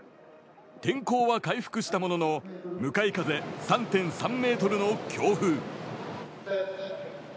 天候は回復したものの向かい風３．３メートルの強風。